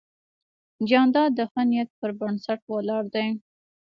جانداد د ښه نیت پر بنسټ ولاړ دی.